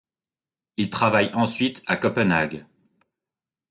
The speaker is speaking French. Il travaille ensuite à Copenhague.